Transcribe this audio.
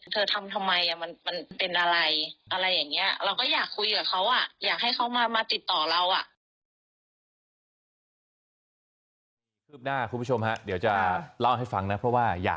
ทำทำไมมันเป็นอะไรอะไรอย่างนี้